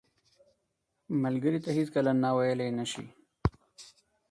ملګری ته هیڅکله نه ویلې نه شي